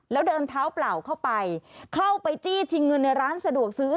แล้วเดินเท้าเปล่าเข้าไปเข้าไปจี้ชิงเงินในร้านสะดวกซื้อ